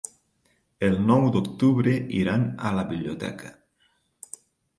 El nou d'octubre iran a la biblioteca.